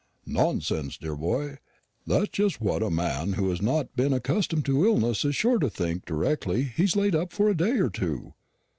"Nonsense, dear boy; that's just what a man who has not been accustomed to illness is sure to think directly he is laid up for a day or two."